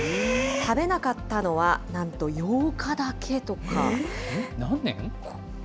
食べなかったのは、なんと８日だけとか。